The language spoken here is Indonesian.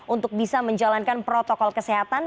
untuk bisa menjalankan protokol kesehatan